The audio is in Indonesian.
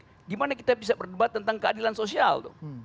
bagaimana kita bisa berdebat tentang keadilan sosial tuh